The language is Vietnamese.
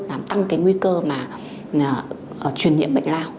làm tăng cái nguy cơ mà truyền nhiễm bệnh lao